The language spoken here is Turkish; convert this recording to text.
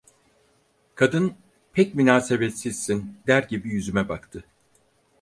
Kadın, "Pek münasebetsizsin" der gibi yüzüme baktı: